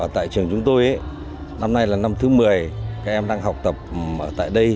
tại trường chúng tôi năm nay là năm thứ một mươi các em đang học tập tại đây